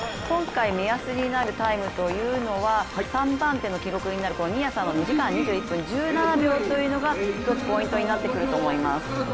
今回、目安になるタイムというのは３番手の記録となる新谷の２時間２１分１７秒というのが一つのポイントになってくると思います。